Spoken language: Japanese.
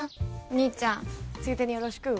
兄ちゃんついでによろしく。ＯＫ。